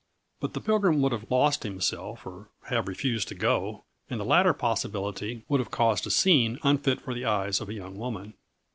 But the Pilgrim would have lost himself, or have refused to go, and the latter possibility would have caused a scene unfit for the eyes of a young woman.